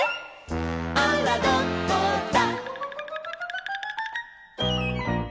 「あらどこだ」